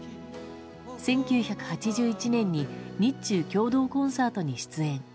１９８１年に日中共同コンサートに出演。